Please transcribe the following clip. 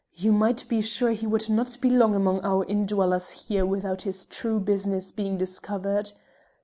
You might be sure he would not be long among our Indwellers here without his true business being discovered.